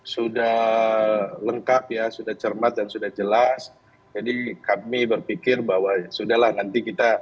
sudah lengkap ya sudah cermat dan sudah jelas jadi kami berpikir bahwa ya sudah lah nanti kita